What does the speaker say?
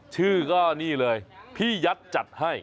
ชื่อก็นี่เลยพี่ยัดจัดให้